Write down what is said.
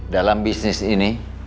dalam bisnis ini